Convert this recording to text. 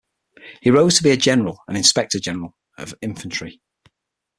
He rose to be a general and inspector-general of infantry.